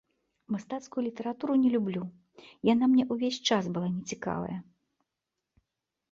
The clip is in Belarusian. Мастацкую літаратуру не люблю, яна мне ўвесь час была нецікавая.